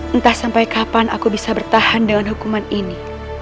entah sampai kapan aku bisa bertahan dengan hukuman ini